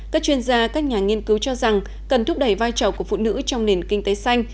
các chuyên gia các nhà nghiên cứu cho rằng cần thúc đẩy vai trò của phụ nữ trong nền kinh tế xanh